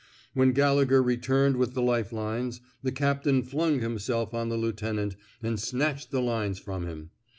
When Gallegher returned with the life lines, the captain flung himself on the lieu tenant, and snatched the lines from him.